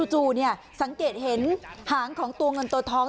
จู่สังเกตเห็นหางของตัวเงินตัวทอง